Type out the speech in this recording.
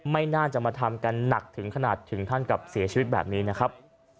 ไม่น่าจะมาทำกันหนักถึงขนาดถึงขั้นกับเสียชีวิตแบบนี้นะครับ